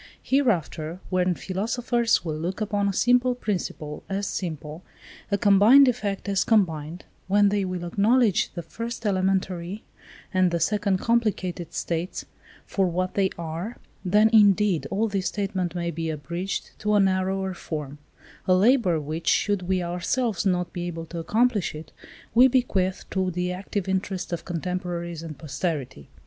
Hereafter, when philosophers will look upon a simple principle as simple, a combined effect as combined; when they will acknowledge the first elementary, and the second complicated states, for what they are; then, indeed, all this statement may be abridged to a narrower form; a labour which, should we ourselves not be able to accomplish it, we bequeath to the active interest of contemporaries and posterity.